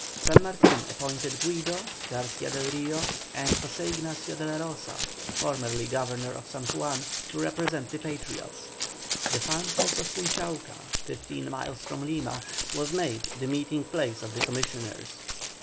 San Martin appointed Guido, Garcia del Rio, and José Ignacio de la Rosa, formerly Governor of San Juan, to represent the Patriots. The farm house of Punchauca, fifteen miles from Lima, was made the meeting place of the Commissioners.